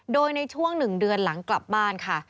โดยในช่วง๑เดือนหลังกลับบ้านค่ะ